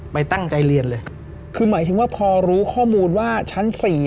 ตั้งใจเรียนเลยคือหมายถึงว่าพอรู้ข้อมูลว่าชั้นสี่